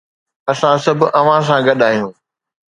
اسان سڀ اوهان سان گڏ آهيون